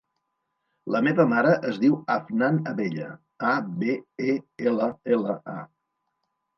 La meva mare es diu Afnan Abella: a, be, e, ela, ela, a.